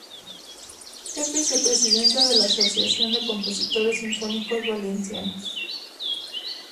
Es Vicepresidenta de la Asociación de Compositores Sinfónicos Valencianos.